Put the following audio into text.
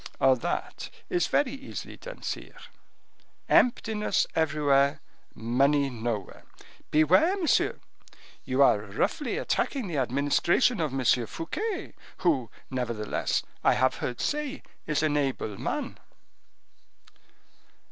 "That is very easily done, sire: emptiness everywhere, money nowhere." "Beware, monsieur; you are roughly attacking the administration of M. Fouquet, who, nevertheless, I have heard say, is an able man."